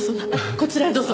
こちらへどうぞ。